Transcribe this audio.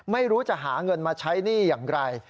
ไม่รู้จะหาเงินมาใช้หนี้อย่างไร